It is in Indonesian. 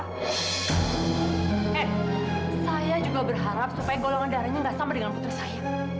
eh saya juga berharap supaya golongan darahnya nggak sama dengan putri saya